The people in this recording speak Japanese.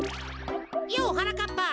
ようはなかっぱ。